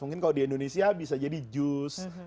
mungkin kalau di indonesia bisa jadi jus